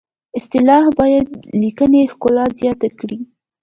اصطلاح باید د لیکنې ښکلا زیاته کړي